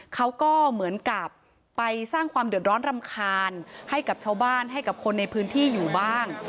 เขาก็เหมือนกับไปสร้างความเดือดร้อนรำคาญให้กับชาวบ้านให้กับคนในพื้นที่อยู่บ้าง